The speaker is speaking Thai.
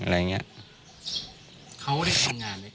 เขาได้ทำงานเหรอพี่